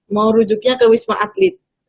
mau rujuknya ke wisma atlet